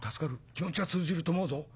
気持ちは通じると思うぞ。